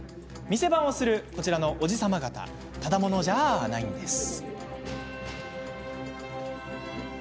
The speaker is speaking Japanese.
店番をする、こちらのおじ様方ただ者じゃあないんです。